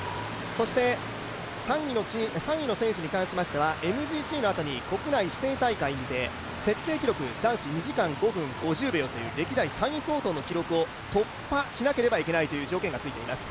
そして、３位の選手に関しましてはＭＧＣのあとに国内指定大会にて設定記録、男子２時間５分５０秒という歴代３位相当の記録を突破しなければいけないという条件がついています。